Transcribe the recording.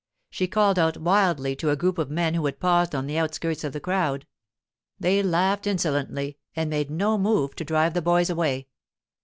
She called out wildly to a group of men who had paused on the outskirts of the crowd; they laughed insolently, and made no move to drive the boys away.